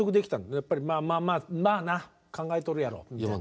やっぱりまあまあまあな考えとるやろみたいな。